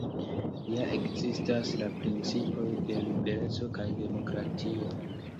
Ja ekzistas la principoj de libereco kaj demokratio.